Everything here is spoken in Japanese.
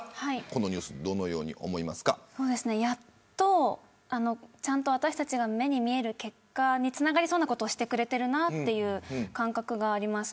このニュースどう思いますかやっと、私たちの目に見える結果につながりそうなことをしてくれてるなという感覚があります。